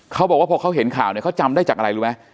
เขาบอกว่าพอเขาเห็นข่าวเนี่ยเขาจำได้จากอะไรรู้ไหม